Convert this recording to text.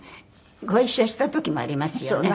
ご一緒した時もありますよね？